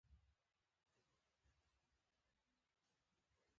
دغو مدرسو ته په درنه سترګه ګوري.